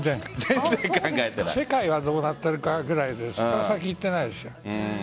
世界はどうなってるかくらいでその先はいってないです。